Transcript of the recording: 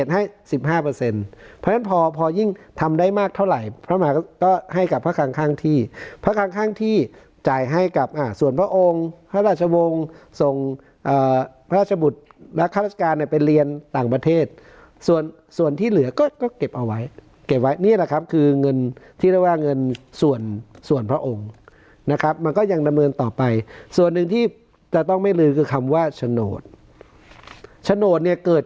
ข้างที่เพราะข้างที่จ่ายให้กับส่วนพระองค์พระราชวงศ์ส่งพระราชบุตรและฆาตรราชการในเป็นเรียนต่างประเทศส่วนส่วนที่เหลือก็เก็บเอาไว้เก็บไว้นี่แหละครับคือเงินที่เรียกว่าเงินส่วนส่วนพระองค์นะครับมันก็ยังดำเนินต่อไปส่วนหนึ่งที่จะต้องไม่ลืมคือคำว่าชโนทชโนทเนี่ยเกิด